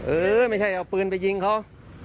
เออไม่ใช่เอาปืนไปยิงเขา